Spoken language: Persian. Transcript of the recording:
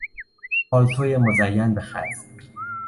پالتو مزین به خز